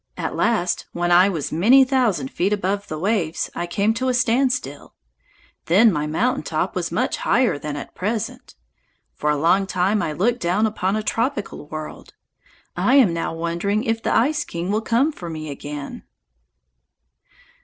At last, when I was many thousand feet above the waves, I came to a standstill. Then my mountain top was much higher than at present. For a long time I looked down upon a tropical world. I am now wondering if the Ice King will come for me again."